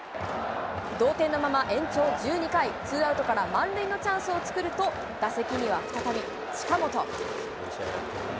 同点のまま延長１２回、ツーアウトから満塁のチャンスを作ると、打席には再び近本。